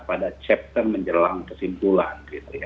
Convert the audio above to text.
pada chapter menjelang kesimpulan